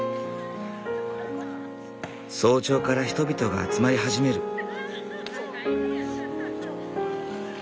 早朝から人々が集まり始める。